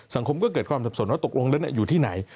สังคมก็เกิดความสับสนว่าตกลงแล้วอยู่ที่ไหน